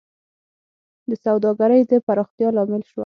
د سوداګرۍ د پراختیا لامل شوه